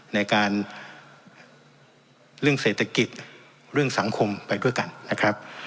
ในการเรื่องเศรษฐกิจเรื่องสังคมไปด้วยกันนะครับ